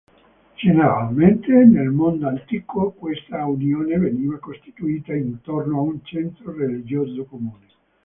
Generalmente nel mondo antico questa unione veniva costituita intorno a un centro religioso comune.